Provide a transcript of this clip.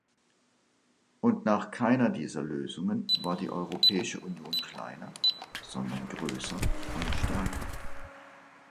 Und nach keiner dieser Lösungen war die Europäische Union kleiner, sondern größer und stärker.